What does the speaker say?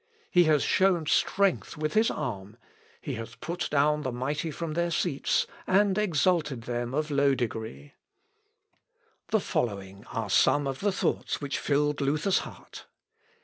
He has shown strength with his arm; he hath put down the mighty from their seats, and exalted them of low degree._" The following are some of the thoughts which filled Luther's heart....